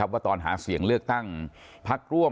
ว่าตอนหาเสียงเลือกตั้งพักร่วม